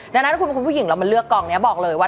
ดังนั้นถ้าคุณผู้หญิงเรามาเลือกกองนี้บอกเลยว่า